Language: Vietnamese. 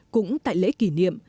cũng tại lễ kỷ niệm